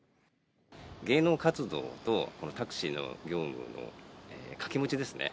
芸能活動とタクシーの業務の掛け持ちですね。